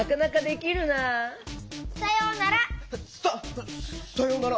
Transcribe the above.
ささようなら。